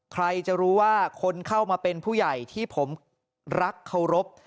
ใครจะรู้ว่าคนเข้ามาเป็นผู้ใหญ่ที่ผมรักเคารพ